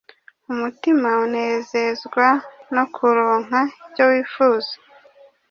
Umutima unezezwa no kuronka icyo wifuza